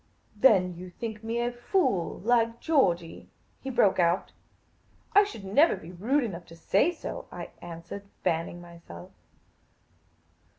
" Then you think me a fool, like Georgey ?" he broke out. " I should never be rude enough to say so," I answered, fanning myself.